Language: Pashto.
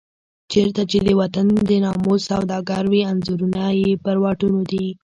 چېرته چې د وطن د ناموس سوداګر وي انځورونه یې پر واټونو دي.